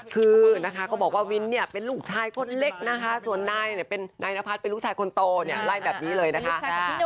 คือนะคะก็บอกว่าวินเนี่ยเป็นลูกชายคนเล็กนะคะส่วนนายเนี่ยเป็นนายนพัฒน์เป็นลูกชายคนโตเนี่ยไล่แบบนี้เลยนะคะ